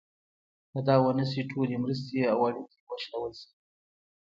که دا ونه شي ټولې مرستې او اړیکې وشلول شي.